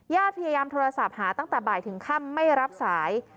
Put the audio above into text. พยายามโทรศัพท์หาตั้งแต่บ่ายถึงค่ำไม่รับสาย